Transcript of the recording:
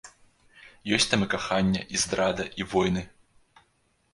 Есць там і каханне, і здрада, і войны.